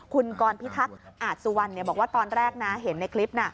คุณกรพิทักษ์อาจสุวรรณบอกว่าตอนแรกนะเห็นในคลิป